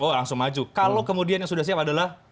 oh langsung maju kalau kemudian yang sudah siap adalah